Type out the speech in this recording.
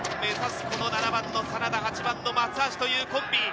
この７番の真田、８番の松橋というコンビ。